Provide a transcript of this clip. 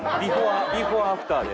ビフォーアフターで。